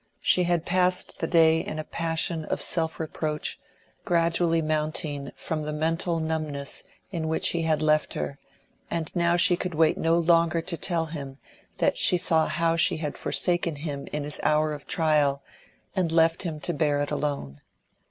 She had passed the day in a passion of self reproach, gradually mounting from the mental numbness in which he had left her, and now she could wait no longer to tell him that she saw how she had forsaken him in his hour of trial and left him to bear it alone.